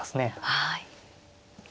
はい。